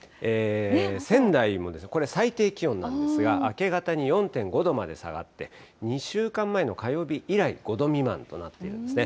仙台も、これ、最低気温なんですが、明け方に４．５度まで下がって、２週間前の火曜日以来、５度未満となっているんですね。